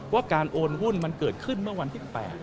ว่าการโอนหุ้นมันเกิดขึ้นเมื่อวันที่๘